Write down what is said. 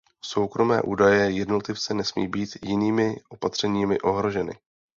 Soukromé údaje jednotlivce nesmí být jinými opatřeními ohroženy.